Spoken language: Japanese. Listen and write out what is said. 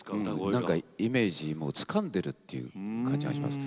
何かイメージつかんでるっていう感じあります。